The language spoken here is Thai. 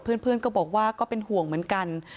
เพื่อนก็บอกว่าก็เป็นห่วงเหมือนกัน